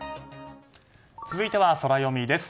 続いてはソラよみです。